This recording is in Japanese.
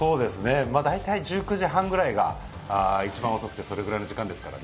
大体１９時半ぐらいが一番遅くてそれぐらいの時間ですから。